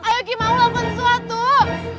ayo gimana mau lakukan sesuatu